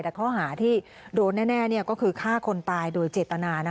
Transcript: แต่ข้อหาที่โดนแน่ก็คือฆ่าคนตายโดยเจตนา